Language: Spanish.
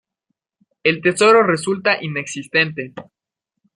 El tesoro resulta inexistente.